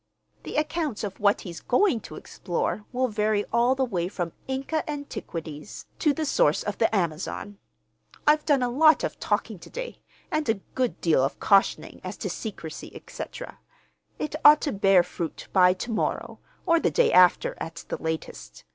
The accounts of what he's going to explore will vary all the way from Inca antiquities to the source of the Amazon. I've done a lot of talking to day, and a good deal of cautioning as to secrecy, etc. It ought to bear fruit by to morrow, or the day after, at the latest.